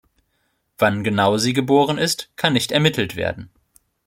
Wann genau sie geboren ist, kann nicht ermittelt werden.